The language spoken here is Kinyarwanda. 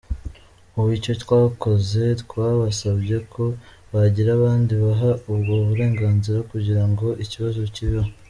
Ubu icyo twakoze, twabasabye ko bagira abandi baha ubwo burenganzira kugira ngo ikibazo kiveho.